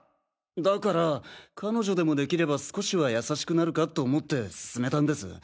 だから彼女でも出来れば少しは優しくなるかと思って勧めたんです。